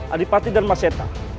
adipati dharma seta